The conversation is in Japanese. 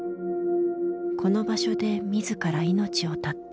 この場所で自ら命を絶った。